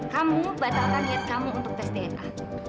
kamu batalkan niat kamu untuk tes dna